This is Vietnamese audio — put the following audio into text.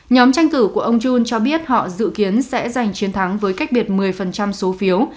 nhóm tranh cử của ông john cho biết họ dự kiến sẽ giành chiến thắng với cách biệt một mươi số phiếu